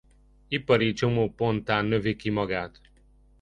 Ipari csomóponttá növi ki magát.